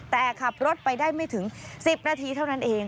แต่ขับรถไปได้ไม่ถึง๑๐นาทีเท่านั้นเอง